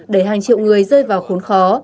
để hàng triệu người rơi vào khốn khó